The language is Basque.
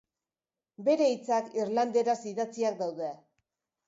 Bere hitzak irlanderaz idatziak daude.